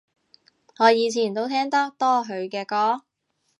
我以前都聽得多佢嘅歌